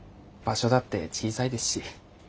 場所だって小さいですし。